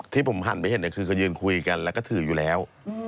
ที่ผมหันไปเห็นคือเขายืนคุยกันแล้วก็ถืออยู่แล้ว